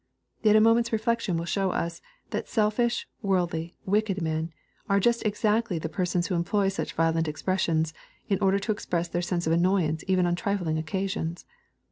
Yet a moment's reflection will show us, that selfish, worldly, wicked men, are just exactly the persons who employ such violent expressions, in order to express their hense of annoyance even on trifling occasions.